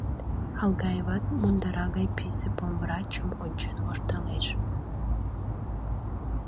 Алгаеват мундыра гай писе помврачым ончен воштылеш.